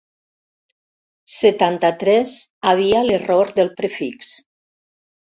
Setanta-tres havia l'error del prefix.